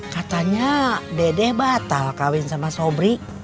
katanya dedeh batal kawin sama sobri